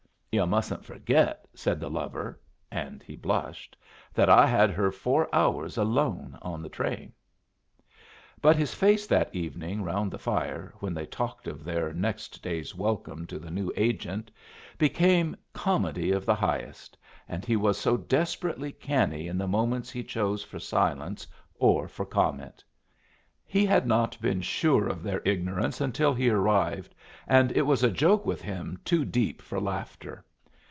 "Yu' mustn't forget," said the lover (and he blushed), "that I had her four hours alone on the train." But his face that evening round the fire, when they talked of their next day's welcome to the new agent, became comedy of the highest, and he was so desperately canny in the moments he chose for silence or for comment! He had not been sure of their ignorance until he arrived, and it was a joke with him too deep for laughter.